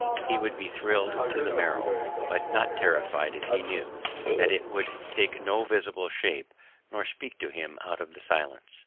He would be thrilled to the marrow, but not terrified if he knew that it would take no visible shape nor speak to him out of the silence.